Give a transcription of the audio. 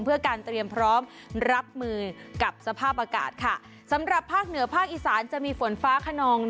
เพื่อการเตรียมพร้อมรับมือกับสภาพอากาศค่ะสำหรับภาคเหนือภาคอีสานจะมีฝนฟ้าขนอง